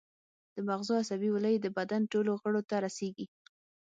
د مغزو عصبي ولۍ د بدن ټولو غړو ته رسیږي